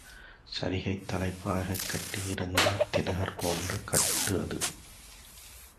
சரிகைத் தலைப்பாகை கட்டியிருந்தார் திலகர் போன்ற கட்டு அது.